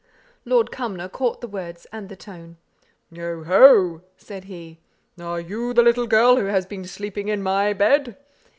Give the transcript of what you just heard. Lord Cumnor caught the words and the tone. "Oh, ho!" said he. "Are you the little girl who has been sleeping in my bed?"